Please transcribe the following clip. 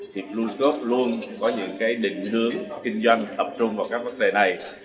thì blue scott luôn có những cái định hướng kinh doanh tập trung vào các vấn đề này